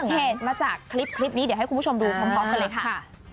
เหตุมาจากคลิปนี้เดี๋ยวให้คุณผู้ชมดูพร้อมกันเลยค่ะ